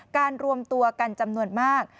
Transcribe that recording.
รวมตัวกันจำนวนมาก